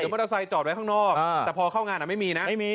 เดี๋ยวมอเตอร์ไซค์จอดไว้ข้างนอกอ่าแต่พอเข้างานอะไม่มีนะไม่มี